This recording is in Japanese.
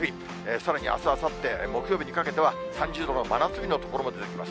さらにあす、あさって、木曜日にかけては、３０度の真夏日の所も出てきます。